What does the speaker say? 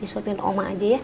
disuapin oma aja ya